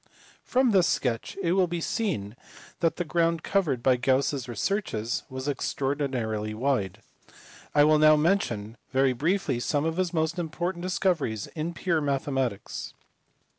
From this sketch it will be seen that the ground covered by Gauss s researches was extraordinarily wide. I will now mention very briefly some of the most important of his discoveries in pure mathematics.